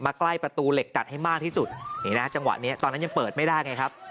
ใกล้ประตูเหล็กดัดให้มากที่สุดนี่นะจังหวะนี้ตอนนั้นยังเปิดไม่ได้ไงครับ